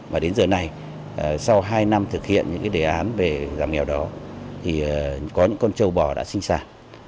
và đến giờ này sau hai năm thực hiện những đề án về giảm nghèo đó thì có những con trâu bò đã sinh sản